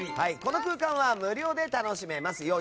この空間は無料で楽しめます。